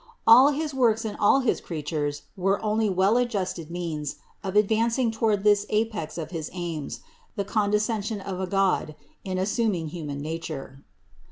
All his works and all his creatures were only well adjusted means of advancing toward this apex of his aims, the condescension of a God in assuming human nature.